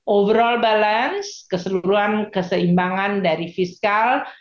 overall balance keseluruhan keseimbangan dari fiskal